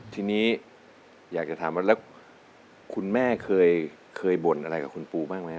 ทีนี้อยากจะถามว่าแล้วคุณแม่เคยบ่นอะไรกับคุณปูบ้างไหม